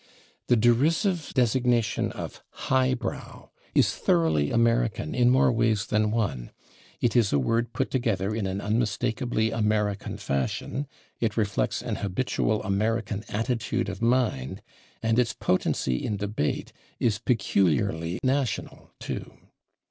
The derisive designation of /high brow/ is thoroughly American in more ways than one. It is a word put together in an unmistakably American fashion, it reflects an habitual American attitude of mind, and its potency in debate is peculiarly national too.